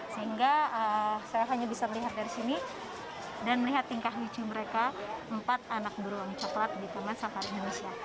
sehingga saya hanya bisa melihat dari sini dan melihat tingkah lucu mereka empat anak beruang coklat di taman safari indonesia